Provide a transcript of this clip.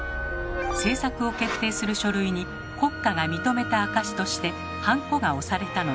政策を決定する書類に国家が認めた証しとしてハンコが押されたのです。